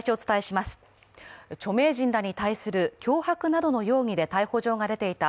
著名人らに対する脅迫などの容疑で逮捕状が出ていた